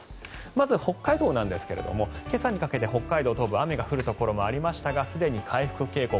まず、北海道なんですが今朝にかけて北海道東部雨が降るところもありましたがすでに回復傾向。